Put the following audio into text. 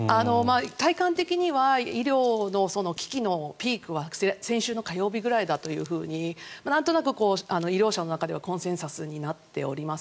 体感的には医療の危機のピークは先週の火曜日ぐらいだというふうになんとなく医療者の中ではコンセンサスになっています。